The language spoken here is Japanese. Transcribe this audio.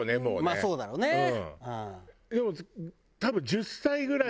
まあそうだろうねうん。